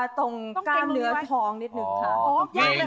ตรงกล้ามเนื้อท้องนิดนึงค่ะ